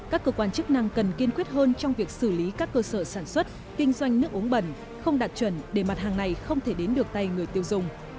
các cơ quan chức năng cần kiên quyết hơn trong việc xử lý các cơ sở sản xuất kinh doanh nước uống bẩn không đạt chuẩn để mặt hàng này không thể đến được tay người tiêu dùng